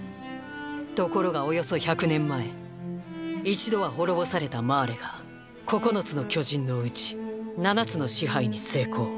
ところがおよそ１００年前一度は滅ぼされたマーレが九つの巨人のうち七つの支配に成功。